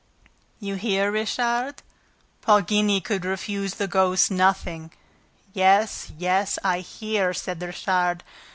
"You hear, Richard: Poligny could refuse the ghost nothing." "Yes, yes, I hear!" said Richard.